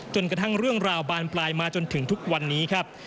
จนกระทั่งเรื่องราวบานปลายมาจนถึงทุกวันนี้ครับ